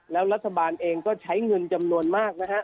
แล้วรัฐบาลเองก็ใช้เงินจำนวนมากนะฮะ